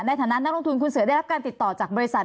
ในฐานะนักลงทุนคุณเสือได้รับการติดต่อจากบริษัท